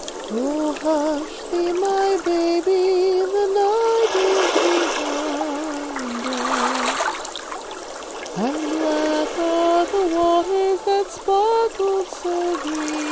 "'Oh, hush thee my baby, the night is behind us, And black are the waters that sparkled so green.'"